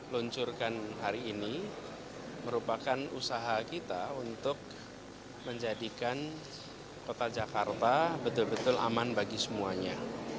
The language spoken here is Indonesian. luncurkan hari ini merupakan usaha kita untuk menjadikan kota jakarta betul betul aman bagi semuanya